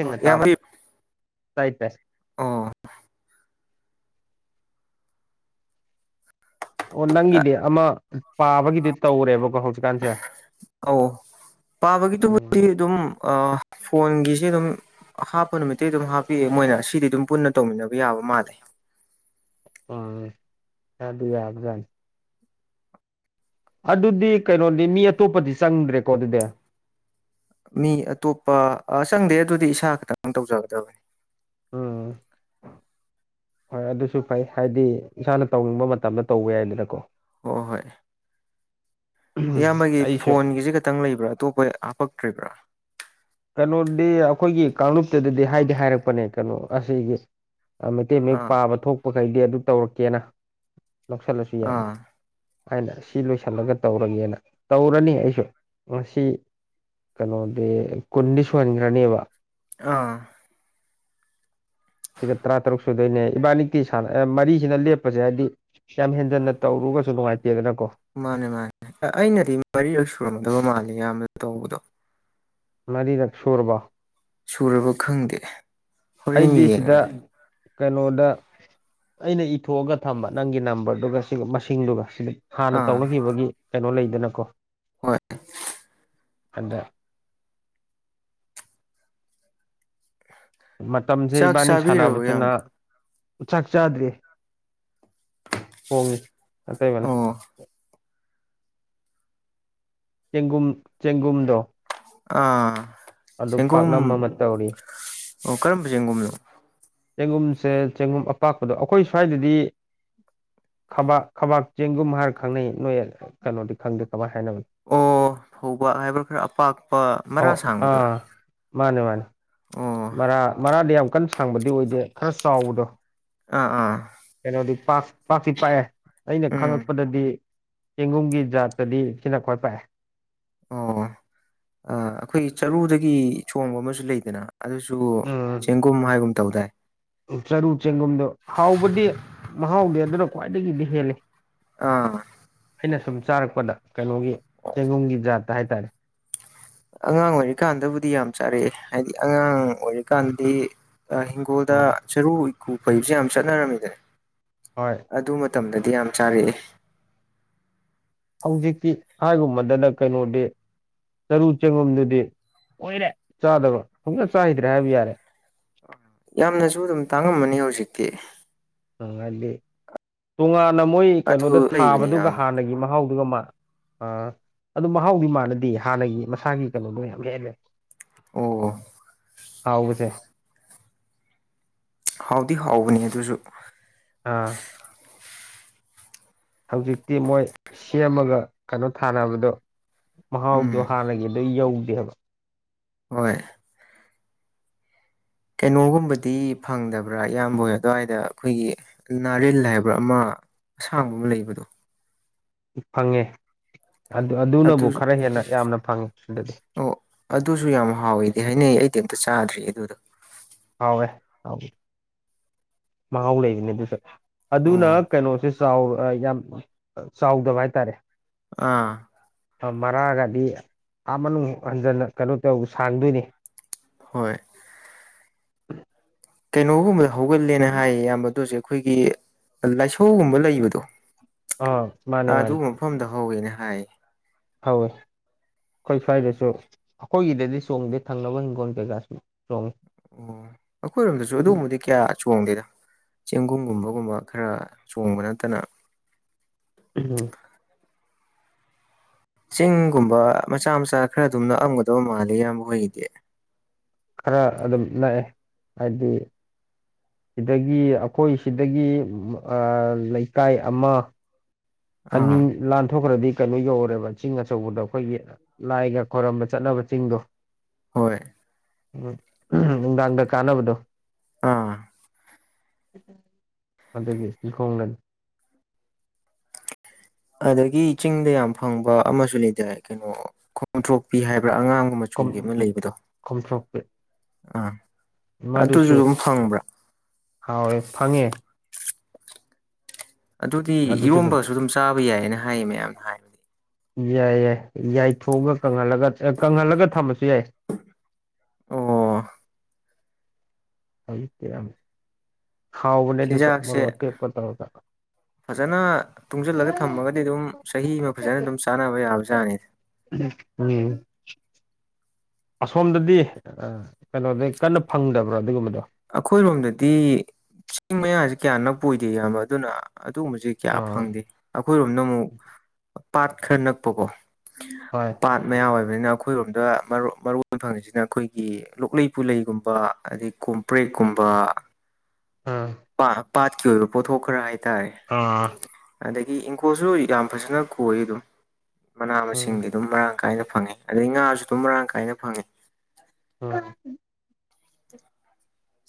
ꯑꯣ ꯏꯌꯥꯝꯕ ꯇꯥꯕ ꯇꯥꯏ ꯇꯥꯏ ꯑꯣ ꯑꯣ ꯅꯪꯒꯤꯗꯤ ꯑꯃ ꯄꯥꯕꯒꯤꯗ‌ꯤ ꯇꯧꯔꯦꯕꯀꯣ ꯍꯧꯖꯤꯛꯀꯥꯟꯁꯦ ꯑꯧ ꯎꯝ ꯄꯥꯕꯒꯤꯗꯨꯕꯨꯗꯤ ꯑꯗꯨꯝ ꯑꯥ ꯐꯣꯟꯒꯤꯁ‌ꯦ ꯑꯗꯨꯝ ꯍꯥꯞꯄ ꯅꯨꯃꯤꯠꯇꯩ ꯑꯗꯨꯝ ꯍꯥꯞꯄꯛꯑꯦ ꯃꯣꯏꯅ ꯁꯤꯗꯤ ꯑꯗꯨꯝ ꯄꯨꯟꯅ ꯇꯧꯃꯤꯟꯅꯕ ꯌꯥꯕ ꯃꯥꯜꯂꯦ ꯎꯝ ꯌꯥꯗꯤ ꯌꯥꯕꯖꯥꯠꯅ‌ꯦ ꯑꯗꯨꯗꯤ ꯀꯩꯅꯣꯗꯤ ꯃꯤ ꯑꯇꯣꯞꯄꯗꯤ ꯆꯪꯗ꯭ꯔꯦꯀꯣ ꯑꯗꯨꯗꯤ ꯃꯤ ꯑꯇꯣꯞꯄ ꯑ ꯆꯪꯗꯦ ꯑꯗꯨꯗꯤ ꯏꯁꯥ ꯈꯛꯇꯪ ꯇꯧꯖꯒꯗꯕꯅꯤ ꯎꯝ ꯍꯣꯏ ꯑꯗꯨꯁꯨ ꯐꯩ ꯍꯥꯏꯗꯤ ꯏꯁꯥꯅ ꯇꯧꯅꯤꯡꯕ ꯃꯇꯝꯗ ꯇꯧꯕ ꯌꯥꯏꯗꯅꯀꯣ ꯍꯣꯏ ꯍꯣꯏ ꯏꯌꯥꯝꯕꯒꯤ ꯑꯩꯁꯨ ꯐꯣꯟꯒꯤꯁꯦ ꯈꯛꯇꯪ ꯂꯩꯕ꯭ꯔꯥ ꯑꯇꯣꯞꯄ ꯍꯥꯞꯄꯛꯇ꯭ꯔꯤꯕ꯭ꯔꯥ ꯀꯩꯅꯣꯗꯤ ꯑꯩꯈꯣꯏꯒꯤ ꯀꯥꯡꯂꯨꯞꯇꯨꯗꯗꯤ ꯍꯥꯏꯗꯤ ꯍꯥꯏꯔꯛꯄꯅꯦ ꯀꯩꯅꯣ ꯑꯁꯤꯒꯤ ꯑ ꯃꯩꯇꯩ ꯃꯌꯦꯛ ꯑꯥ ꯄꯥꯕ ꯊꯣꯛꯄꯈꯩꯗꯤ ꯑꯗꯨ ꯇꯧꯔꯛꯀꯦꯅ ꯂꯧꯁꯤꯜꯂꯁꯨ ꯌꯥꯏꯅ ꯑꯥ ꯍꯥꯏꯅ ꯁꯤ ꯂꯣꯏꯁꯤꯜꯂꯒ ꯇꯧꯔꯒꯦꯅ ꯇꯧꯔꯅꯤ ꯑꯩꯁꯨ ꯉꯁꯤ ꯀꯩꯅꯣꯗꯤ ꯀꯨꯟꯗꯤ ꯁꯨꯍꯟꯈ꯭ꯔꯅꯤꯕ ꯑꯥ ꯁꯤꯒ ꯇꯔꯥ ꯇꯔꯨꯛ ꯁꯨꯗꯣꯏꯅꯦ ꯏꯕꯥꯟꯅꯤꯗꯤ ꯁꯥꯟꯅ ꯑ ꯃꯔꯤꯁꯤꯅ ꯂꯦꯞꯄꯁꯦ ꯍꯥꯏꯗꯤ ꯌꯥꯝ ꯍꯦꯟꯖꯤꯟꯅ ꯇꯧꯔꯨꯔꯒꯁꯨ ꯅꯨꯡꯉꯥꯏꯇꯦꯗꯅꯀꯣ ꯃꯥꯅꯦ ꯃꯥꯅꯦ ꯑꯩꯅꯗꯤ ꯃꯔꯤꯔꯛ ꯁꯨꯔꯝꯒꯗꯕ ꯃꯥꯜꯂꯦ ꯑꯌꯥꯝꯕꯗ ꯇꯧꯕꯗꯣ ꯃꯔꯤꯔꯛ ꯁꯨꯔꯕꯣ ꯁꯨꯔꯕ ꯈꯪꯗꯦ ꯍꯣꯔꯦꯟ ꯑꯩꯗꯤ ꯁꯤꯗ ꯌꯦꯡꯉꯒꯦ ꯀꯩꯅꯣꯗ ꯑꯩꯅ ꯏꯊꯣꯛꯑꯒ ꯊꯝꯕ ꯅꯪꯒꯤ ꯅꯝꯕꯔꯗꯨꯒ ꯁꯤꯒ ꯃꯁꯤꯡꯗꯨꯒ ꯁꯤꯗ ꯍꯥꯟꯅ ꯑꯥ ꯇꯧꯅꯈꯤꯕꯒꯤ ꯀꯩꯅꯣ ꯂꯩꯗꯅꯀꯣ ꯍꯣꯏ ꯑꯗ ꯃꯇꯝꯁꯦ ꯆꯥꯛ ꯏꯕꯥꯟꯅꯤ ꯆꯥꯕꯤꯔꯕꯣ ꯁꯥꯟꯅꯕꯁꯤꯅ ꯏꯌꯥꯝꯕ ꯆꯥꯛ ꯆꯥꯗ꯭ꯔꯤ ꯊꯣꯡꯉꯤ ꯅꯇꯩꯃꯅ ꯑꯣ ꯆꯦꯡꯒꯨꯝ ꯆꯦꯡꯒꯨꯝꯗꯣ ꯑꯥ ꯑꯗꯨ ꯆꯦꯡꯒꯨꯝ ꯄꯥꯛꯅꯝ ꯑꯃ ꯇꯧꯔꯤ ꯑꯣ ꯀꯔꯝꯕ ꯆꯦꯡꯒꯨꯝꯅꯣ ꯆꯦꯡꯒꯨꯝꯁꯦ ꯆꯦꯡꯒꯨꯝ ꯑꯄꯥꯛꯄꯗꯣ ꯑꯩꯈꯣꯏ ꯁ꯭ꯋꯥꯏꯗꯗꯤ ꯈꯕꯥꯛ ꯈꯕꯥꯛ ꯆꯦꯡꯒꯨꯝ ꯍꯥꯏꯔ ꯈꯪꯅꯩ ꯅꯣꯏ ꯀꯩꯅꯣꯗꯤ ꯈꯪꯗꯦ ꯀꯃꯥꯏꯅ ꯍꯥꯏꯅꯕꯣ ꯑꯣ ꯐꯧꯕꯥꯛ ꯍꯥꯏꯕ꯭ꯔꯥ ꯈꯔ ꯑꯄꯥꯛꯄ ꯃꯔꯥ ꯁꯥꯡꯕꯗꯨꯔꯥ ꯃꯥꯅꯤ ꯃꯥꯅꯤ ꯑꯣ ꯃꯔꯥ ꯃꯔꯥꯗꯤ ꯌꯥꯝ ꯀꯟꯅ ꯁꯥꯡꯕꯗꯤ ꯑꯣꯏꯗꯦ ꯈꯔ ꯆꯥꯎꯕꯗꯣ ꯑꯥ ꯑꯥ ꯀꯩꯅꯣꯗꯤ ꯄꯥꯛ ꯄꯥꯛꯇꯤ ꯄꯥꯛꯑꯦ ꯑꯩꯅ ꯎꯝ ꯈꯪꯉꯛꯄꯗꯗꯤ ꯆꯦꯡꯒꯨꯝꯒꯤ ꯖꯥꯠꯇꯗꯤ ꯁꯤꯅ ꯈ꯭ꯋꯥꯏ ꯄꯥꯛꯑꯦ ꯑꯣ ꯑ ꯑꯩꯈꯣꯏꯒꯤ ꯆꯔꯨꯗꯒꯤ ꯆꯣꯡꯕ ꯑꯃꯁꯨ ꯂꯩꯗꯅ ꯑꯗꯨꯁꯨ ꯆꯦꯡꯒꯨꯝ ꯍꯥꯏꯒꯨꯝ ꯇꯧꯗꯥꯏ ꯎꯝ ꯆꯔꯨ ꯆꯦꯡꯒꯨꯝꯗꯣ ꯍꯥꯎꯕꯗꯤ ꯃꯍꯥꯎꯗꯤ ꯃꯍꯥꯎꯗꯤ ꯑꯗꯨꯅ ꯈ꯭ꯋꯥꯏꯗꯒꯤꯗꯤ ꯍꯦꯜꯂꯤ ꯑꯥ ꯑꯩꯅ ꯁꯨꯝ ꯆꯥꯔꯛꯄꯗ ꯀꯩꯅꯣꯒꯤ ꯆꯦꯡꯒꯨꯝꯒꯤ ꯖꯥꯠꯇ ꯍꯥꯏꯇꯥꯔꯦ ꯑꯉꯥꯡ ꯑꯣꯏꯔꯤꯀꯥꯟꯗꯕꯨꯗꯤ ꯌꯥꯝ ꯆꯥꯔꯛꯑꯦ ꯍꯥꯏꯗꯤ ꯑꯉꯥꯡ ꯑꯣꯏꯔꯤꯀꯥꯟꯗꯤ ꯁꯀꯗ ꯑꯣ ꯆꯔꯨ ꯏꯀꯨ ꯐꯩꯕꯁꯦ ꯌꯥꯝ ꯆꯠꯅꯔꯝꯃꯤꯗꯅꯦ ꯍꯣꯏ ꯑꯗꯨ ꯃꯇꯝꯗꯗꯤ ꯌꯥꯝ ꯆꯥꯔꯛꯑꯦ ꯍꯧꯖꯤꯛꯇꯤ ꯍꯥꯏꯒꯨꯝꯕꯗꯅ ꯀꯩꯅꯣꯗꯤ ꯆꯔꯨ ꯆꯦꯡꯉꯝꯗꯨꯗꯤ ꯑꯣꯏꯔꯦ ꯆꯥꯗꯕꯣꯏ ꯐꯪꯖ ꯆꯥꯈꯤꯩꯗ꯭ꯔꯦ ꯍꯥꯏꯕ ꯌꯥꯔꯦ ꯑ ꯌꯥꯝꯅꯁꯨ ꯑꯗꯨꯝ ꯇꯥꯡꯉꯝꯃꯅꯤ ꯍꯧꯖꯤꯛꯇꯤ ꯉꯥꯏꯗꯤ ꯇꯣꯉꯥꯟꯅ ꯃꯣꯏ ꯀꯩꯅꯣꯗ ꯑꯗꯨ ꯂꯩꯕꯅꯦ ꯌꯥꯝ ꯊꯥꯕꯗꯨꯒ ꯍꯥꯟꯅꯒꯤ ꯃꯍꯥꯎꯗꯨꯒ ꯃꯥ ꯑ ꯑꯗꯨ ꯃꯍꯥꯎꯗꯤ ꯃꯥꯟꯅꯗꯦ ꯍꯥꯟꯅꯒꯤ ꯃꯁꯥꯒꯤ ꯀꯩꯅꯣꯗꯣ ꯌꯥꯝ ꯍꯦꯜꯂꯦ ꯑꯣ ꯍꯥꯎꯕꯁꯦ ꯍꯥꯎꯗꯤ ꯍꯥꯎꯕꯅꯤ ꯑꯗꯨꯁꯨ ꯑꯥ ꯍꯧꯖꯤꯛꯇꯤ ꯃꯣꯏ ꯁꯦꯝꯃꯒ ꯀꯩꯅꯣ ꯊꯥꯅꯕꯗꯣ ꯃꯍꯥꯎꯗꯣ ꯎꯝ ꯍꯥꯟꯅꯒꯤꯗꯩ ꯑꯗꯨ ꯌꯧꯗꯦꯕ ꯍꯣꯏ ꯀꯩꯅꯣꯒꯨꯝꯕꯗꯤ ꯐꯪꯗꯕ꯭ꯔꯥ ꯏꯌꯥꯝꯕ ꯍꯣꯏ ꯑꯗꯨꯋꯥꯏꯗ ꯑꯩꯈꯣꯏꯒꯤ ꯅꯥꯔꯜ ꯍꯥꯏꯕ꯭ꯔꯥ ꯑꯃ ꯑꯁꯥꯡꯕ ꯑꯃ ꯂꯩꯕꯗꯣ ꯐꯪꯉꯦ ꯑꯗꯨꯅꯕꯨ ꯑꯗꯨ ꯈꯔ ꯍꯦꯟꯅ ꯌꯥꯝꯅ ꯐꯪꯉꯦ ꯁꯤꯗꯗꯤ ꯑꯣ ꯑꯗꯨꯁꯨ ꯌꯥꯝ ꯍꯥꯎꯋꯦꯗꯤ ꯍꯥꯏꯅꯩ ꯑꯩꯗꯤ ꯑꯝꯇ ꯆꯥꯗ꯭ꯔꯤ ꯑꯗꯨꯗꯣ ꯍꯥꯎꯋꯦ ꯍꯥꯎꯗꯤ ꯃꯍꯥꯎ ꯂꯩꯔꯤꯅꯦ ꯑꯗꯨꯁꯨ ꯑꯗꯨꯅ ꯑꯣ ꯀꯩꯅꯣꯁꯦ ꯆꯥꯎ ꯑ ꯌꯥꯝ ꯆꯥꯎꯗꯕ ꯍꯥꯏꯇꯥꯔꯦ ꯑꯥ ꯃꯔꯥꯒꯗꯤꯥ ꯃꯅꯨꯡꯨꯛ ꯍꯟꯖꯟꯅ ꯀꯩꯅꯣ ꯇꯧ ꯁꯥꯟꯗꯣꯏꯅꯤ ꯍꯣꯏ ꯀꯩꯅꯣꯒꯨꯝꯕꯗ ꯍꯧꯒꯜꯂꯦꯅ ꯍꯥꯏꯌꯦ ꯑꯌꯥꯝꯕ ꯑꯗꯨꯁꯦ ꯑꯩꯈꯣꯏꯒꯤ ꯂꯥꯏꯁꯧꯒꯨꯝꯕ ꯂꯩꯕꯗꯣ ꯑꯥ ꯃꯥꯅꯦ ꯃꯥꯅꯦ ꯑꯗꯨꯒꯨꯝꯕ ꯃꯐꯝꯗ ꯍꯧꯋꯦꯅ ꯍꯥꯏ ꯍꯧꯋꯦ ꯑꯩꯈꯣꯏ ꯁ꯭ꯋꯥꯏꯗꯁꯨ ꯑꯩꯈꯣꯏꯒꯤꯗꯗꯤ ꯆꯣꯡꯗꯦ ꯊꯪꯅꯕ ꯍꯤꯡꯈꯣꯜ ꯀꯩꯀꯥꯁꯨ ꯆꯣꯡꯏꯤ ꯑꯣ ꯑꯩꯈꯣꯏꯔꯣꯝꯗꯁꯨ ꯑꯗꯨꯒꯕꯗꯤ ꯀꯌꯥ ꯆꯣꯡꯗꯦꯗ ꯆꯦꯡꯒꯨꯝꯒꯨꯝꯕꯒꯨꯝꯕ ꯈꯔ ꯆꯣꯡꯕ ꯅꯠꯇꯅ ꯎꯝ ꯆꯤꯡꯒꯨꯝꯕ ꯃꯆꯥ ꯃꯆꯥ ꯈꯔ ꯑꯗꯨꯝ ꯅꯛꯑꯝꯒꯗꯕ ꯃꯥꯜꯂꯤꯦ ꯏꯌꯥꯝꯕ ꯍꯣꯏꯒꯤꯗꯤ ꯈꯔ ꯑꯗꯨꯝ ꯅꯛꯑꯦ ꯍꯥꯏꯗꯤ ꯁꯤꯗꯒꯤ ꯑꯩꯈꯣꯏ ꯁꯤꯗꯒꯤ ꯑ ꯂꯩꯀꯥꯏ ꯑꯃ ꯑꯅꯤ ꯑꯥ ꯂꯥꯟꯊꯣꯛꯈ꯭ꯔꯗꯤ ꯀꯩꯅꯣ ꯌꯧꯔꯦꯕ ꯆꯤꯡ ꯑꯆꯧꯕꯗ ꯑꯩꯈꯣꯏꯒꯤ ꯂꯥꯏꯒ ꯈꯣꯏꯔꯝꯕ ꯆꯠꯅꯕ ꯆꯤꯡꯗꯣ ꯍꯣꯏ ꯎꯝ ꯅꯨꯡꯗꯥꯡꯗ ꯀꯥꯟꯅꯕꯗꯣ ꯑꯝ ꯑꯗꯨꯒꯤ ꯁꯤꯈꯣꯡꯅꯪ ꯑꯗꯒꯤ ꯆꯤꯡꯗ ꯌꯥꯝ ꯐꯪꯕ ꯑꯃꯁꯨ ꯂꯩꯇꯦ ꯀꯩꯅꯣ ꯈꯣꯡꯊ꯭ꯔꯣꯛꯄꯤ ꯍꯥꯏꯕ꯭ꯔꯥ ꯑꯉꯥꯡꯒꯨꯝꯕ ꯃꯆꯨꯒꯤ ꯑꯃ ꯂꯩꯕꯗꯣ ꯈꯣꯝꯊꯣꯛꯄꯤ ꯑꯥ ꯑꯗꯨꯁꯨ ꯃꯗꯨꯁꯨ ꯑꯗꯨꯝ ꯐꯪꯕ꯭ꯔꯥ ꯍꯥꯎꯋꯦ ꯐꯪꯉꯦ ꯑꯗꯨꯗꯤ ꯏꯔꯣꯝꯕꯁꯨ ꯑꯗꯨꯝ ꯆꯥꯕ ꯌꯥꯏꯌꯦꯑꯅ ꯍꯥꯏꯌꯦ ꯃꯌꯥꯝꯅ ꯍꯥꯏ ꯌꯥꯏ ꯌꯥꯏ ꯌꯥꯏꯊꯣꯛꯑꯒ ꯀꯪꯍꯜꯂꯒ ꯀꯪꯍꯜꯂꯒ ꯊꯝꯃꯁꯨ ꯌꯥꯏ ꯑꯣ [unintelligible] ꯆꯤꯟꯖꯥꯛꯁꯦ [unintelligible] ꯐꯖꯅ ꯇꯨꯡꯖꯜꯂꯒ ꯊꯝꯃꯒꯗꯤ ꯑꯗꯨꯝ ꯆꯍꯤ ꯑꯃ ꯐꯖꯅ ꯑꯗꯨꯝ ꯆꯥꯅꯕ ꯌꯥꯕꯖꯥꯠꯅꯤ ꯎꯝ ꯑꯁꯣꯝꯗꯗꯤ ꯀꯩꯅꯣꯗ ꯀꯟꯅ ꯐꯪꯗꯕ꯭ꯔꯣ ꯑꯗꯨꯒꯨꯝꯕꯗꯣ ꯑꯈꯣꯏꯔꯣꯝꯗꯗꯤ ꯆꯤꯡ ꯃꯌꯥꯖꯤ ꯀꯌꯥꯅꯛ ꯄꯣꯏꯗꯦ ꯏꯌꯥꯝꯕ ꯑꯗꯨꯅ ꯑꯗꯨꯒꯨꯝꯕꯖꯦ ꯀꯌꯥ ꯑꯥ ꯐꯪꯗꯦ ꯑꯩꯈꯣꯏꯔꯣꯝꯅ ꯑꯃꯨꯛ ꯄꯥꯠ ꯈꯔ ꯅꯛꯄꯀꯣ ꯍꯣꯏ ꯄꯥꯠ ꯃꯌꯥꯝ ꯑꯣꯏꯕꯅꯤꯅ ꯑꯩꯈꯣꯏꯔꯣꯝꯗ ꯃꯔꯨ ꯐꯪꯉꯤꯖꯤꯅ ꯑꯈꯣꯏꯒꯤ ꯂꯣꯛꯂꯩ ꯄꯨꯂꯩꯒꯨꯝꯕ ꯑꯗꯩ ꯀꯣꯝ ꯄ꯭ꯔꯦꯛꯀꯨꯝꯕ ꯑꯥ ꯄꯥꯠꯀꯤ ꯑꯣꯏꯕ ꯄꯣꯠꯊꯣꯛ ꯈꯔ ꯍꯥꯏꯇꯥꯔꯦ ꯑꯥ ꯑꯗꯒꯤ ꯏꯪꯈꯣꯜꯁꯨ ꯌꯥꯝ ꯐꯖꯅ ꯀꯣꯏ ꯑꯗꯨꯝ ꯃꯅꯥ ꯎꯝ ꯃꯁꯤꯡꯗꯩ ꯑꯗꯨꯝ ꯃꯔꯥꯡ ꯀꯥꯏꯅ ꯐꯪꯉꯤ ꯑꯗꯩ ꯉꯥꯁꯨ ꯑꯗꯨꯝ ꯃꯔꯥꯡ ꯀꯥꯏꯅ ꯐꯪꯉꯤ ꯍꯣꯏ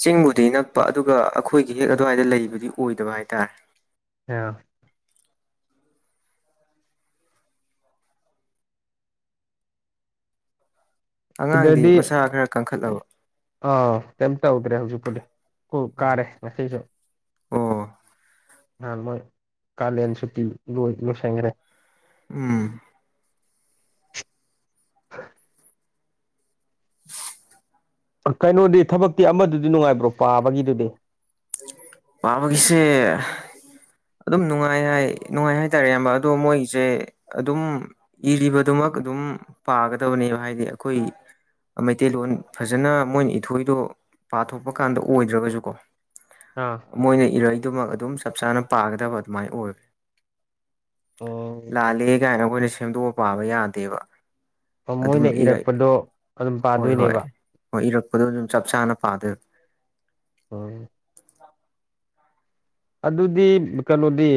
ꯆꯤꯡꯕꯨꯗꯤ ꯅꯛꯄ ꯑꯗꯨꯒ ꯑꯩꯈꯣꯏꯒꯤ ꯍꯦꯛ ꯑꯗꯨꯋꯥꯏꯗ ꯂꯩꯕꯗꯤ ꯑꯣꯏꯗꯕ ꯍꯥꯏꯇꯥꯔꯦ ꯑꯣ ꯑꯉꯥꯡꯗꯤ ꯁꯤꯗꯗꯤ ꯃꯁꯥ ꯈꯔ ꯀꯟꯈꯠꯂꯕ ꯑꯥ ꯀꯩꯝ ꯇꯧꯗ꯭ꯔꯦ ꯍꯧꯖꯤꯛꯄꯨꯗꯤ ꯁꯀꯨꯜ ꯀꯥꯔꯦ ꯉꯁꯤꯁꯨ ꯑꯣ ꯅꯍꯥꯟ ꯃꯣꯏ ꯀꯥꯂꯦꯟꯁꯨꯇꯤ ꯂꯣꯏ ꯂꯣꯏꯁꯟꯒ꯭ꯔꯦ ꯎꯝ [inaudible] [unintelligible] ꯀꯩꯅꯣꯗꯤ ꯊꯕꯛꯇꯤ ꯑꯃꯗꯨꯗꯤ ꯅꯨꯡꯉꯥꯏꯕ꯭ꯔꯣ ꯄꯥꯕꯒꯤꯗꯨꯗꯤ ꯄꯕꯒꯤꯁꯦ ꯑꯗꯨꯝ ꯅꯨꯡꯉꯥꯏ ꯍꯥꯏ ꯅꯨꯡꯉꯥꯏ ꯍꯥꯏꯇꯥꯔꯦ ꯏꯌꯥꯝꯕ ꯑꯗꯣ ꯃꯣꯏꯒꯤꯖꯦ ꯑꯗꯨꯝ ꯏꯔꯤꯕꯗꯨꯃꯛ ꯑꯗꯨꯝ ꯄꯥꯒꯗꯕꯅꯦꯕ ꯍꯥꯏꯗꯤ ꯑꯩꯈꯣꯏ ꯃꯩꯇꯩꯂꯣꯟ ꯐꯖꯅ ꯃꯣꯏꯅ ꯏꯊꯣꯏꯗꯣ ꯄꯥꯊꯣꯛꯄ ꯀꯥꯟꯗ ꯑꯣꯏꯗ꯭ꯔꯒꯖꯨꯀꯣ ꯑꯥ ꯃꯣꯏꯅ ꯏꯔꯩꯗꯨꯃꯛ ꯑꯗꯨꯝ ꯆꯞ ꯆꯥꯅ ꯄꯥꯒꯗꯕ ꯑꯗꯨꯃꯥꯏ ꯑꯣꯏ ꯂꯥꯜꯂꯦ ꯀꯥꯏꯅ ꯑꯈꯣꯏꯅ ꯁꯦꯝꯗꯣꯛꯑ ꯄꯥꯕ ꯌꯥꯗꯦꯕ ꯑꯗꯨꯝ ꯃꯣꯏꯅ ꯏꯔꯛ ꯏꯔꯛꯄꯗꯣ ꯑꯗꯨꯝ ꯍꯣꯏ ꯍꯣꯏ ꯄꯥꯗꯣꯏꯅꯦꯕ ꯍꯣꯏ ꯏꯔꯛꯄꯗꯣ ꯑꯗꯨꯝ ꯆꯞ ꯆꯥꯅ ꯄꯥꯗꯣꯏ ꯎꯝ [unintelligible] ꯑꯗꯨꯗꯤ ꯀꯩꯅꯣꯗꯤ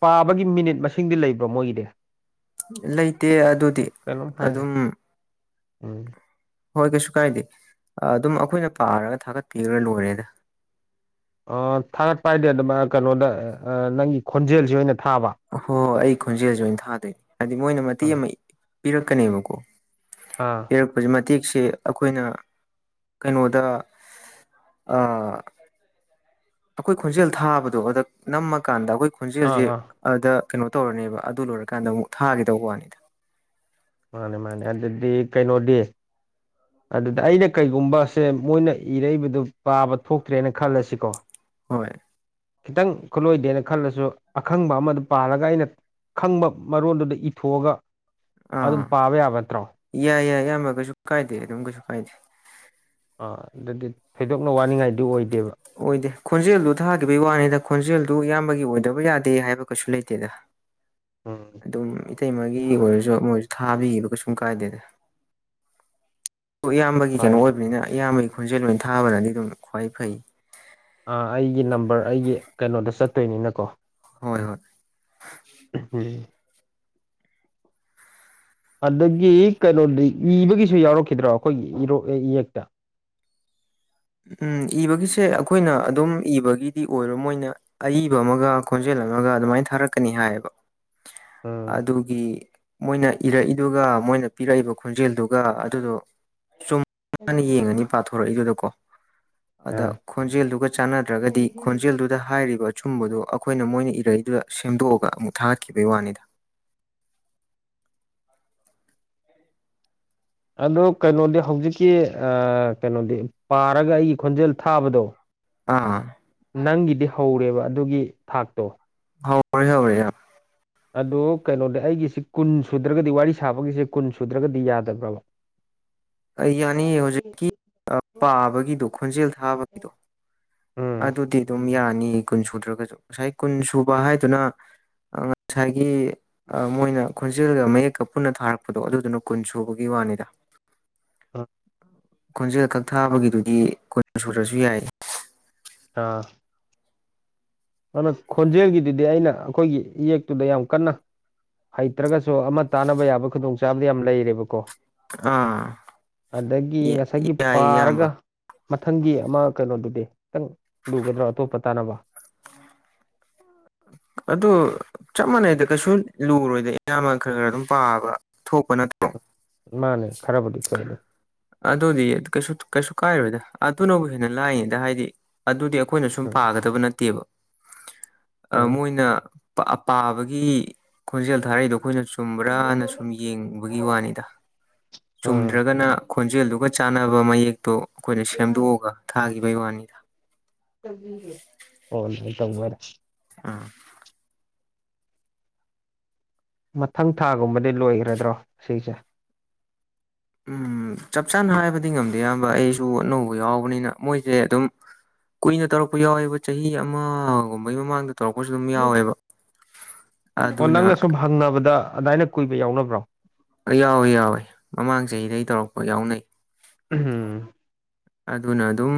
ꯄꯥꯕꯒꯤ ꯃꯤꯅꯤꯠ ꯃꯁꯤꯡꯗꯤ ꯂꯩꯕ꯭ꯔꯣ ꯃꯣꯏꯒꯤꯗꯤ ꯂꯩꯇꯦ ꯑꯗꯨꯗꯤ ꯀꯩꯅꯣꯝ ꯍꯥꯏꯔꯦ ꯑꯗꯨꯝ ꯎꯝ ꯍꯣꯏ ꯀꯩꯁꯨ ꯀꯥꯏꯗꯦ ꯑꯗꯨꯝ ꯑꯈꯣꯏꯅ ꯄꯥꯔꯒ ꯊꯥꯒꯠꯄꯤꯒ꯭ꯔ ꯂꯣꯏꯔꯦꯗ ꯑꯥ ꯊꯥꯒꯠꯄ ꯍꯥꯏꯗꯤ ꯑꯗꯨꯝ ꯑꯥ ꯀꯅꯣꯗ ꯅꯪꯒꯤ ꯈꯣꯟꯖꯦꯜꯖꯦ ꯑꯣꯏꯅ ꯊꯥꯕ ꯍꯣꯏ ꯍꯣꯏ ꯑꯩ ꯈꯣꯟꯖꯦꯜꯖꯦ ꯑꯣꯏꯅ ꯊꯥꯗꯣꯏꯅꯦ ꯍꯥꯏꯗꯤ ꯃꯣꯏꯅ ꯃꯇꯦꯛ ꯑꯥ ꯑꯃ ꯄꯤꯔꯛꯀꯅꯦꯕꯀꯣ ꯑꯥ ꯄꯤꯔꯛꯄꯖꯦ ꯃꯇꯦꯛꯁꯦ ꯑꯩꯈꯣꯏꯅ ꯀꯩꯅꯣꯗ ꯑꯥ ꯑꯈꯣꯏ ꯈꯣꯟꯖꯦꯜ ꯊꯥꯕꯗꯣ ꯑꯗ ꯅꯝꯃꯀꯥꯟꯗ ꯑꯈꯣꯏ ꯑꯥ ꯈꯣꯟꯖꯦꯜꯖꯦ ꯑꯥ ꯑꯗ ꯀꯩꯅꯣ ꯇꯧꯔꯅꯦꯕ ꯑꯗꯨ ꯂꯣꯏꯔꯀꯥꯟꯗ ꯑꯃꯨꯛ ꯊꯥꯒꯤꯗꯧ ꯋꯥꯅꯤꯗ ꯃꯥꯅꯦ ꯃꯥꯅꯦ ꯑꯗꯨꯗꯤ ꯀꯩꯅꯣꯗꯤ ꯑꯗꯨꯗ ꯑꯩꯅ ꯀꯩꯒꯨꯝꯕ ꯁꯦ ꯃꯣꯏꯅ ꯏꯔꯛꯏꯕꯗꯨ ꯄꯥꯕ ꯊꯣꯛꯇ꯭ꯔꯦꯅ ꯈꯜꯂꯁꯤꯀꯣ ꯍꯣꯏ ꯈꯤꯇꯪ ꯈꯨꯠꯂꯣꯏꯗꯦꯅ ꯈꯜꯂꯖꯨ ꯑꯈꯪꯕ ꯑꯃꯗ ꯄꯥꯜꯂꯒ ꯑꯩꯅ ꯈꯪꯕ ꯃꯔꯣꯟꯗꯨꯗ ꯏꯊꯣꯛꯑꯒ ꯑꯥ ꯑꯗꯨꯝ ꯄꯥꯕ ꯌꯥꯕ ꯅꯠꯇ꯭ꯔꯣ ꯌꯥꯏ ꯌꯥꯏ ꯏꯌꯥꯝꯕ ꯀꯩꯁꯨ ꯀꯥꯏꯗꯦ ꯑꯗꯨꯝ ꯀꯩꯁꯨ ꯀꯥꯏꯗꯦ ꯑꯥ ꯑꯗꯨꯗꯤ ꯊꯣꯏꯗꯣꯛꯅ ꯋꯥꯅꯤꯡꯉꯥꯏꯗꯤ ꯑꯣꯏꯗꯦꯕ ꯑꯣꯏꯗꯦ ꯈꯣꯟꯖꯦꯜꯗꯨ ꯊꯥꯈꯤꯕꯩ ꯋꯥꯅꯤꯗ ꯈꯣꯟꯖꯦꯜꯗꯨ ꯏꯌꯥꯝꯕꯒꯤ ꯑꯣꯏꯗꯕ ꯌꯥꯗꯦ ꯍꯥꯏꯕ ꯀꯩꯁꯨ ꯂꯩꯇꯦꯗ ꯑꯥ ꯑꯗꯨꯝ ꯏꯇꯩꯃꯒꯤ ꯑꯣꯏꯔꯖꯨ ꯑꯃ ꯑꯣꯏꯔꯖꯨ ꯊꯥꯕꯤꯒꯤꯕ ꯀꯩꯁꯨꯝ ꯀꯥꯏꯗꯦꯗ ꯎꯌꯥꯝꯕꯒꯤ ꯀꯩꯅꯣ ꯍꯣꯏ ꯑꯣꯏꯕꯅꯤꯅ ꯏꯌꯥꯝꯕꯒꯤ ꯈꯣꯟꯖꯦꯟ‌ ꯑꯣꯏꯅ ꯊꯥꯕꯅꯗꯤ ꯑꯗꯨꯝ ꯈ꯭ꯋꯥꯏ ꯐꯩ ꯑ ꯑꯩꯒꯤ ꯅꯝꯕ꯭ꯔ ꯑꯩꯒꯤ ꯀꯩꯅꯣꯗ ꯆꯠꯇꯣꯏꯅꯤꯅꯀꯣ ꯍꯣꯏ ꯍꯣꯏ ꯎꯝ [unintelligible] ꯑꯗꯒꯤ ꯀꯩꯅꯣꯗꯤ ꯏꯕꯒꯤꯁꯨ ꯌꯥꯎꯔꯛꯈꯤꯗ꯭ꯔꯣ ꯑꯩꯈꯣꯏꯒꯤ ꯏꯔꯣꯛ ꯏꯌꯦꯛꯇ ꯎꯝ ꯏꯕꯒꯤꯁꯦ ꯑꯩꯈꯣꯏꯅ ꯑꯗꯨꯝ ꯏꯕꯒꯤꯗꯤ ꯑꯣꯏꯔꯣ ꯃꯣꯏꯅ ꯑꯏꯕ ꯑꯃꯒ ꯈꯣꯟꯖꯦꯜ ꯑꯃꯒ ꯑꯗꯨꯃꯥꯏ ꯊꯥꯔꯛꯀꯅꯤ ꯍꯥꯏꯌꯦꯕ ꯎꯝ ꯑꯗꯨꯒꯤ ꯃꯣꯏꯅ ꯏꯔꯛꯏꯗꯨꯒ ꯃꯣꯏꯅ ꯄꯤꯔꯛꯏꯕ ꯈꯣꯟꯖꯦꯜꯗꯨꯒ ꯑꯗꯨꯗꯣ ꯆꯨꯝꯅ ꯌꯦꯡꯉꯅꯤ ꯄꯥꯊꯣꯔꯛꯏꯗꯨꯗꯀꯣ ꯑ ꯑꯗ ꯈꯣꯟꯖꯦꯜꯗꯨꯒ ꯆꯥꯟꯅꯗ꯭ꯔꯒꯗꯤ ꯈꯣꯟꯖꯦꯜꯗꯨꯗ ꯍꯥꯏꯔꯤꯕ ꯑꯆꯨꯝꯕꯗꯣ ꯑꯩꯈꯣꯏꯅ ꯃꯣꯏꯅ ꯏꯔꯛꯏꯗꯨꯗ ꯁꯦꯝꯗꯣꯛꯑꯒ ꯑꯃꯨꯛ ꯊꯥꯒꯠꯈꯤꯕꯩ ꯋꯥꯅꯤꯗ ꯑꯗꯣ ꯀꯩꯅꯣꯗꯤ ꯍꯧꯖꯤꯛꯀꯤ ꯑ ꯀꯩꯅꯣꯗꯤ ꯄꯥꯔꯒ ꯑꯩꯒꯤ ꯈꯣꯟꯖꯦꯜ ꯊꯥꯕꯗꯣ ꯑꯥ ꯅꯪꯒꯤꯗꯤ ꯍꯧꯔꯦꯕ ꯑꯗꯨꯒꯤ ꯊꯥꯛꯇꯣ ꯍꯧꯔꯦ ꯍꯧꯔꯦ ꯍ ꯑꯗꯣ ꯀꯩꯅꯣꯗꯤ ꯑꯩꯒꯤꯁꯤ ꯀꯨꯟ ꯁꯨꯗ꯭ꯔꯒꯗꯤ ꯋꯥꯔꯤ ꯁꯥꯕꯒꯤꯁꯦ ꯀꯨꯟ ꯁꯨꯗ꯭ꯔꯒꯗꯤ ꯌꯥꯗꯕ꯭ꯔꯕ [inaudible] ꯑꯩ ꯌꯥꯅꯤꯌꯦ ꯍꯧꯖꯤꯛꯀꯤ ꯄꯥꯕꯒꯤꯗꯣ ꯈꯣꯟꯖꯦꯜ ꯊꯥꯕꯒꯤꯗꯣ ꯎꯝ ꯑꯗꯨꯗꯤ ꯑꯗꯨꯝ ꯌꯥꯅꯤꯌꯦ ꯀꯨꯟ ꯁꯨꯗ꯭ꯔꯒꯁꯨ ꯉꯁꯥꯏ ꯀꯨꯟ ꯁꯨꯕ ꯍꯥꯏꯗꯨꯅ ꯉꯁꯥꯏꯒꯤ ꯑ ꯃꯣꯏꯅ ꯈꯣꯟꯖꯦꯜꯒ ꯃꯌꯦꯛꯀ ꯄꯨꯟꯅ ꯊꯥꯔꯛꯄꯗꯣ ꯑꯗꯨꯗꯨꯅ ꯀꯨꯟ ꯁꯨꯕꯒꯤ ꯋꯥꯅꯤꯗ ꯑ ꯈꯣꯟꯖꯦꯜ ꯈꯛ ꯊꯥꯕꯒꯤꯗꯨꯗꯤ ꯀꯨꯟ ꯁꯨꯗ꯭ꯔꯁꯨ ꯌꯥꯏꯌꯦ ꯑ ꯑꯗꯨꯅ ꯈꯣꯟꯖꯦꯜꯒꯤꯗꯨꯗꯤ ꯑꯩꯅ ꯑꯩꯈꯣꯏꯒꯤ ꯏꯌꯦꯛꯇꯨꯗ ꯌꯥꯝ ꯀꯟꯅ ꯍꯩꯇ꯭ꯔꯒꯁꯨ ꯑꯃ ꯇꯥꯟꯅꯕ ꯌꯥꯕ ꯈꯨꯗꯣꯡꯆꯥꯥꯕꯗꯤ ꯌꯥꯝ ꯂꯩꯔꯦꯕꯀꯣ ꯑꯥ ꯑꯗꯒꯤ ꯉꯁꯥꯏꯒꯤ ꯌꯥꯏ ꯄꯥꯔꯒ ꯏꯌꯥꯝꯕ ꯃꯊꯪꯒꯤ ꯑꯃ ꯀꯩꯅꯣꯗꯨꯗꯤ ꯈꯤꯇꯪ ꯂꯨꯒꯗ꯭ꯔꯣ ꯑꯇꯣꯞꯄ ꯇꯥꯟꯅꯕ ꯑꯗꯨ ꯆꯞ ꯃꯥꯟꯅꯩꯗ ꯀꯩꯁꯨ ꯂꯨꯔꯣꯏꯗ ꯏꯌꯥꯝꯕꯅ ꯈꯔ ꯈꯔ ꯑꯗꯨꯝ ꯄꯥꯕ ꯊꯣꯛꯄ ꯅꯠꯇ꯭ꯔꯣ ꯃꯥꯅꯦ ꯈꯔꯕꯨꯗꯤ ꯊꫭꯛꯑꯦ ꯑꯗꫭ ꯑꯗꯨꯗꯤ ꯀꯩꯁꯨ ꯀꯩꯁꯨ ꯀꯥꯏꯔꯣꯏꯗ ꯑꯗꯨꯅꯕꯨ ꯍꯦꯟꯅ ꯂꯥꯏꯅꯤꯗ ꯍꯥꯏꯗꯤ ꯑꯗꯨꯗꯤ ꯑꯩꯈꯣꯏꯅ ꯁꯨꯝ ꯎꯝ ꯄꯥꯒꯗꯕ ꯅꯠꯇꯦꯕ ꯑ ꯎꯝ ꯃꯣꯏꯅ ꯄꯥ ꯄꯥꯕꯒꯤ ꯈꯣꯟꯖꯦꯜ ꯊꯥꯔꯛꯏꯗꯣ ꯑꯩꯈꯣꯏꯅ ꯆꯨꯝꯕ꯭ꯔꯥꯅ ꯁꯨꯝ ꯌꯦꯡꯕꯒꯤ ꯋꯥꯅꯤꯗ ꯎꯝ ꯆꯨꯝꯗ꯭ꯔꯒꯅ ꯈꯣꯟꯖꯦꯜꯗꯨꯒ ꯆꯥꯟꯅꯕ ꯃꯌꯦꯛꯇꯣ ꯑꯩꯈꯣꯏꯅ ꯁꯦꯝꯗꯣꯛꯑꯒ ꯊꯥꯒꯤꯕꯩ ꯋꯥꯅꯤꯗ ꯇꯧꯕꯤꯒꯦ ꯑꯣ ꯑꯗꯨꯃꯥꯏ ꯇꯧꯕ ꯑꯣꯏꯔꯦ ꯑ ꯃꯊꯪ ꯊꯥꯒꯨꯝꯕꯗꯤ ꯂꯣꯏꯒ꯭ꯔꯗ꯭ꯔꯣ ꯁꯤꯁꯦ ꯎꯝ ꯆꯞ ꯆꯥꯅ ꯍꯥꯏꯕꯗꯤ ꯉꯝꯗꯦ ꯏꯌꯥꯝꯕ ꯑꯩꯁꯨ ꯑꯅꯧꯕ ꯌꯥꯎꯕꯅꯤꯅ ꯃꯣꯏꯖꯦ ꯑꯗꯨꯝ ꯀꯨꯏꯅ ꯇꯧꯔꯛꯄ ꯌꯥꯎꯋꯦꯕ ꯆꯍꯤ ꯑꯃꯒꯨꯝꯕꯩ ꯃꯃꯥꯡꯗ ꯇꯧꯔꯛꯄꯁꯨ ꯑꯗꯨꯝ ꯌꯥꯎꯋꯦꯕ ꯑꯣ ꯑꯗꯨꯅ ꯅꯪꯅ ꯁꯨꯝ ꯍꯪꯅꯕꯗ ꯑꯗꯥꯏꯅ ꯀꯨꯏꯕ ꯌꯥꯎꯅꯕ꯭ꯔꯣ ꯑ ꯌꯥꯎꯋꯦ ꯌꯥꯎꯋꯦ ꯃꯃꯥꯡ ꯆꯍꯤꯗꯒꯤ ꯇꯧꯔꯛꯄ ꯌꯥꯎꯅꯩ ꯎꯝ ꯑꯗꯨꯅ ꯑꯗꯨꯝ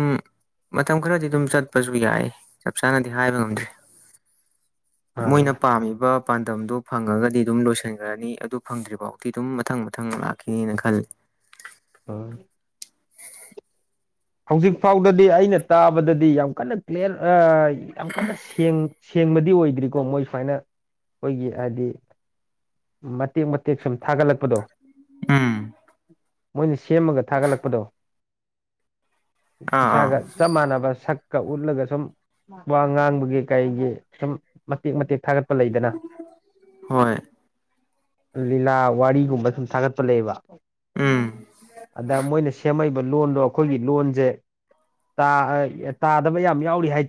ꯃꯇꯝ ꯈꯔꯗꯤ ꯑꯗꯨꯝ ꯆꯠꯄꯁꯨ ꯌꯥꯏ ꯆꯞ ꯆꯥꯅꯗꯤ ꯍꯥꯏꯕ ꯉꯝꯗ꯭ꯔꯦ INAUDIBLE ꯃꯣꯏꯅ ꯄꯥꯝꯃꯤꯕ ꯄꯥꯟꯗꯝꯗꯣ ꯐꯪꯉꯒꯗꯤ ꯑꯗꯨꯝ ꯂꯣꯏꯁꯟꯒ꯭ꯔꯅꯤ ꯑꯗꯨ ꯐꯪꯗ꯭ꯔꯤꯐꯥꯎꯗꯤ ꯑꯗꯨꯝ ꯃꯊꯪ ꯃꯊꯪ ꯂꯥꯛꯈꯤꯅꯤꯅ ꯈꯜꯂꯤ [unintelligible] ꯍꯧꯖꯤꯛ ꯐꯥꯎꯗꯗꯤ ꯑꯩꯅ ꯇꯥꯕꯗꯗꯤ ꯌꯥꯝ ꯀꯟꯅ ꯀ꯭ꯂꯤꯌꯥꯔ ꯑꯥ ꯌꯥꯝ ꯀꯟꯅ ꯁꯦꯡ ꯁꯦꯡꯕꯗꯤ ꯑꯣꯏꯗ꯭ꯔꯤꯀꯣ ꯃꯣꯏ ꯁꯨꯃꯥꯏꯅ ꯑꯩꯈꯣꯏꯒꯤ ꯍꯥꯏꯗꯤ ꯃꯇꯦꯛ ꯃꯇꯦꯛ ꯁꯨꯝ ꯊꯥꯒꯠꯂꯛꯄꯗꯣ ꯎꯝ ꯃꯣꯏꯅ ꯁꯦꯝꯃꯒ ꯊꯥꯒꯠꯂꯛꯄꯗꯣ ꯑꯥ ꯑꯥ ꯏꯁꯥꯒ ꯆꯞ ꯃꯥꯟꯅꯕ ꯁꯛ ꯀ ꯎꯠꯂꯒ ꯁꯨꯝ ꯋꯥ ꯉꯥꯡꯕꯒꯤ ꯀꯩꯒꯤ ꯁꯨꯝ ꯃꯇꯦꯛ ꯃꯇꯦꯛ ꯊꯥꯒꯠ ꯄ ꯂꯩꯗꯅ ꯍꯣꯏ ꯂꯤꯂꯥ ꯋꯥꯔꯤꯒꯨꯝꯕ ꯁꯨꯝ ꯊꯥꯒꯠꯄ ꯂꯩꯌꯦꯕ ꯎꯝ ꯑꯗ ꯃꯣꯏꯅ ꯁꯦꯝꯃꯛꯏꯕ ꯂꯣꯟꯗꯣ ꯑꯩꯈꯣꯏꯒꯤ ꯂꯣꯟ ꯖꯦ ꯇꯥꯑ ꯇꯥꯗꯕ ꯌꯥꯝ ꯌꯥꯎꯔꯤ ꯍꯥꯏ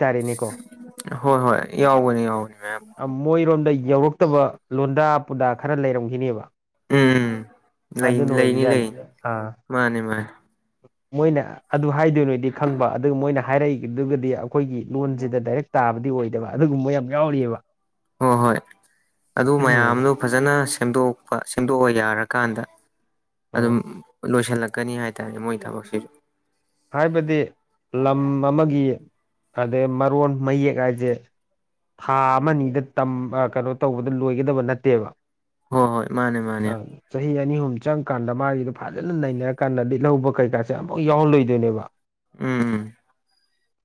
ꯍꯣꯏ ꯍꯣꯏ ꯌꯥꯎꯕꯅꯤ ꯌꯥꯎꯕꯅꯤ ꯃꯌꯥꯝ ꯑ ꯃꯣꯏꯔꯣꯝꯗ ꯌꯧꯔꯛꯇꯕ ꯂꯣꯟꯗꯥ ꯄꯨꯗꯥ ꯈꯔ ꯂꯩꯔꯝꯒꯤꯅꯦꯕ ꯎꯝ ꯎꯝ ꯂꯩ ꯑꯗꯨꯅ ꯂꯩꯅꯤ ꯑꯣꯏꯕꯖꯥꯠꯅꯤ ꯂꯩꯅꯤ ꯑꯥ ꯃꯥꯅꯤ ꯃꯥꯅꯤ ꯃꯣꯏꯅ ꯑꯗꯨ ꯍꯥꯏꯗꯣꯏ ꯅꯣꯗꯤ ꯈꯪꯕ ꯑꯗꯨ ꯃꯣꯏꯅ ꯍꯥꯏꯔꯛꯏꯗꯨꯒꯗꯤ ꯑꯩꯈꯣꯏꯒꯤ ꯂꯣꯟꯖꯤꯗ ꯗꯥꯏꯔꯦꯛ ꯇꯥꯕꯗꯤ ꯑꯣꯏꯗꯕ ꯑꯗꯨꯒꯨꯝꯕ ꯌꯥꯝ ꯌꯥꯎꯔꯤꯑꯕ ꯍꯣꯏ ꯍꯣꯏ ꯑꯗꯨ ꯃꯌꯥꯝꯗꯨ ꯎꯝ ꯐꯖꯅ ꯁꯦꯝꯗꯣꯛꯄ ꯁꯦꯝꯗꯣꯛꯑ ꯌꯥꯔꯀꯥꯟꯗ ꯑꯗꯨꯝ ꯂꯣꯏꯁꯜꯂꯛ ꯍꯥꯏꯕꯗꯤ ꯂꯝ ꯑꯃꯒꯤ ꯑꯗꯩ ꯃꯔꯣꯟ ꯃꯌꯦꯛ ꯍꯥꯏꯖꯦ ꯊꯥ ꯑꯃ ꯅꯤꯗ ꯇꯝ ꯑ ꯀꯅꯣ ꯇꯧꯕꯗ ꯂꯣꯏꯒꯗꯕ ꯅꯠꯇꯦꯕ ꯍꯣꯏ ꯍꯣꯏ ꯃꯥꯅꯦ ꯃꯥꯅꯦ ꯑ ꯆꯍꯤ ꯑꯅꯤ ꯑꯍꯨꯝ ꯆꯪꯀꯥꯟꯗ ꯃꯥꯒꯤꯗꯣ ꯐꯖꯅ ꯅꯩꯅꯔꯀꯥꯟꯗ ꯂꯤꯠꯍꯧꯕ ꯀꯩꯀꯥꯁꯦ ꯑꯃꯨꯛ ꯌꯥꯎꯍꯜꯂꯣꯏꯗꯣꯏꯅꯦꯕ ꯎꯝ ꯎꯝ